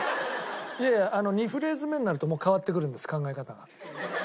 いやいや２フレーズ目になるともう変わってくるんです考え方が。